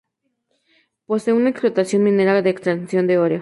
Posee una explotación minera de extracción de oro.